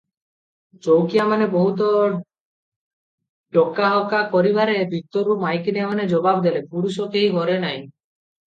ଚଉକିଆମାନେ ବହୁତ ଡକାହକା କରିବାରେ ଭିତରୁ ମାଇକିନିଆମାନେ ଜବାବ ଦେଲେ, "ପୁରୁଷ କେହି ଘରେ ନାହିଁ ।